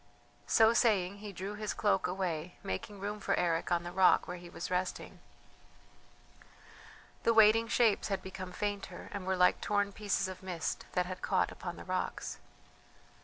So saying he drew his cloak away, making room for Eric on the rock where he was resting. The waiting shapes had become fainter, and were like torn pieces of mist that had caught upon the rocks.